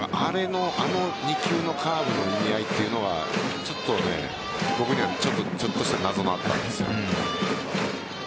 あの２球のカーブの意味合いというのは僕にはちょっとした謎だったんです。